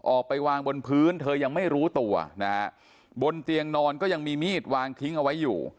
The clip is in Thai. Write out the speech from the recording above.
ออกไปวางบนพื้นเธอยังไม่รู้ตัวนะฮะบนเตียงนอนก็ยังมีมีดวางทิ้งเอาไว้อยู่